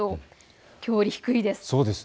きょうより低いです。